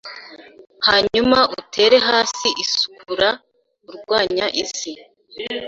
hanyuma utere hasi isukura irwanya isi.